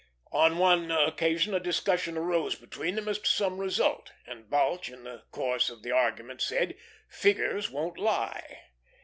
On one occasion a discussion arose between them as to some result, and Balch in the course of the argument said, "Figures won't lie."